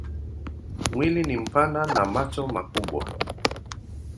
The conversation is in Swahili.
Mwili ni mpana na macho makubwa.